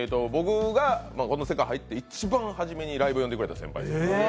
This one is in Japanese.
僕がこの世界に入って一番初めにライブに呼んでくれた先輩。